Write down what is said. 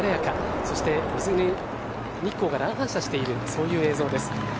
そして水に日光が乱反射しているそういう映像です。